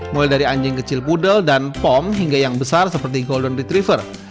mulai dari anjing kecil pudel dan pom hingga yang besar seperti golden retriefer